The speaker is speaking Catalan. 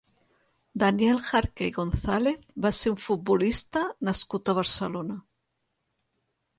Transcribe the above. Daniel Jarque i González va ser un futbolista nascut a Barcelona.